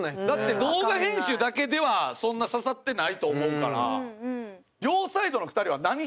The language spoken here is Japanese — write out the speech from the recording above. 動画編集だけではそんな刺さってないと思うから。